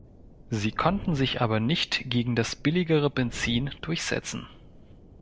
Sie konnten sich aber nicht gegen das billigere Benzin durchsetzen.